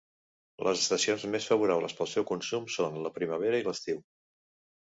Les estacions més favorables pel seu consum són la primavera i l'estiu.